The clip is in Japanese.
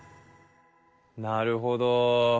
なるほど。